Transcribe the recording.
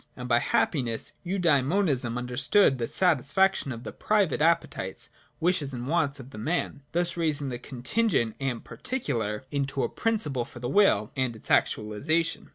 And by happiness Eudaemonism understood the satisfaction of the private appetites, wishes and wants of the man : thus raising the contingent and particular into a principle for the will and its actualisation.